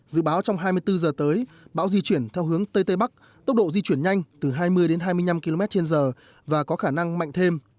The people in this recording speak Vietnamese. dự báo trong hai mươi bốn giờ tới bão di chuyển theo hướng tây tây bắc tốc độ di chuyển nhanh từ hai mươi đến hai mươi năm km trên giờ và có khả năng mạnh thêm